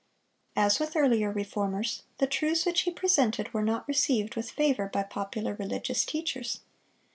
As with earlier Reformers, the truths which he presented were not received with favor by popular religious teachers.